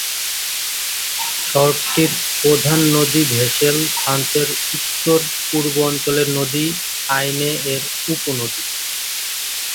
শহরটির প্রধান নদী ভেসেল, ফ্রান্সের উত্তর-পূর্ব অঞ্চলের নদী 'আইনে'-এর উপনদী।